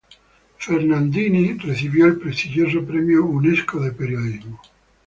Fernandini recibió el prestigioso Premio Unesco de Periodismo.